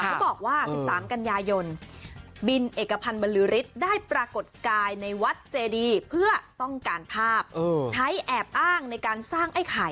เขาบอกว่า๑๓กันยายนบินเอกพันธ์บรรลือฤทธิ์ได้ปรากฏกายในวัดเจดีเพื่อต้องการภาพใช้แอบอ้างในการสร้างไอ้ไข่